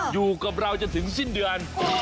อยู่กับเราจนถึงสิ้นเดือน